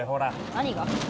何が？